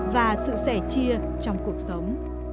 và sự sẻ chia trong cuộc sống